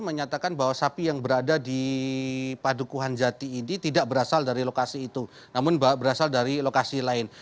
menyatakan bahwa sapi yang berada di padukuhan jati ini tidak berasal dari lokasi itu namun berasal dari lokasi lain